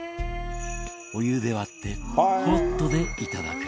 お湯で割ってホットでいただく。